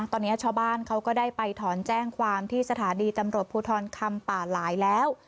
ตอนนี้ชาวบ้านเขาก็ได้ไปถอนแจ้งความที่สถานีตำรวจภูทรคำป่าหลายแล้ว